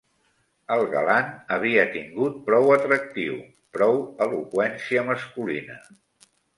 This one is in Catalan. El galan havia tingut prou atractiu, prou eloqüència masculina.